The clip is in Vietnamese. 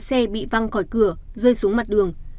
xe bị văng khỏi cửa rơi xuống mặt đường